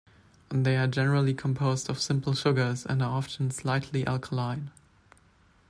They are generally composed of simple sugars and are often slightly alkaline.